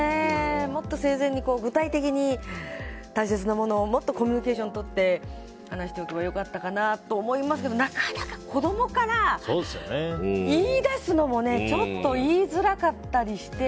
もっと生前に、具体的に大切な物をもっとコミュニケーションとって話しておけば良かったなと思いますけどなかなか子供から言い出すのもねちょっと言いづらかったりして。